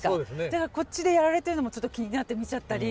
だからこっちでやられてるのもちょっと気になって見ちゃったり。